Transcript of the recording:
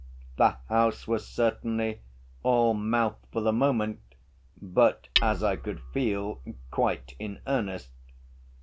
The House was certainly all mouth for the moment, but, as I could feel, quite in earnest.